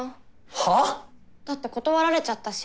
はあ⁉だって断られちゃったし。